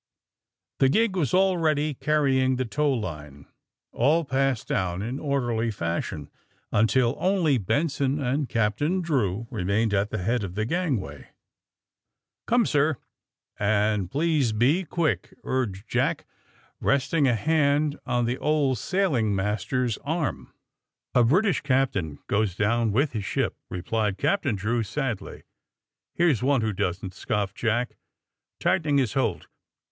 The gig was already carrying the tow line. All passed down in orderly fashion until only Benson and Captain Drew remained at the head of the gangway. *■' Come, sir, and please be quick !'' urged Jack, resting a hand on the old sailing master's arm. AND THE SMUGGLEES 139 V* A British captain goes down with his ship,'* replied Captain Drew sadly. ^^ Here's one who doesn't!" scoffed Jack, tightening his hold.